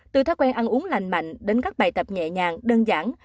từ thói quen ăn uống lành mạnh đến các bài tập nhẹ nhàng đơn giản